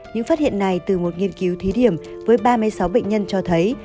những phát hiện này từ một nghiên cứu thí điểm với ba mươi sáu bệnh nhân cho thấy